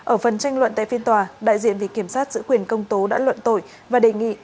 ở phần tranh luận tại phiên tòa đại diện vị kiểm sát giữ quyền công tố đã luận tội và đề nghị